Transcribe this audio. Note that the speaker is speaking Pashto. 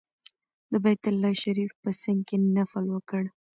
د بیت الله شریف په څنګ کې نفل وکړ.